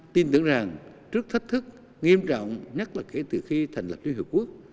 tin tưởng rằng trước thách thức nghiêm trọng nhất là kể từ khi thành lập liên hợp quốc